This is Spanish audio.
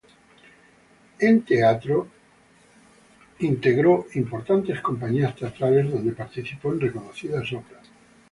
En teatro integró importantes compañías teatrales donde participó en reconocidas obras.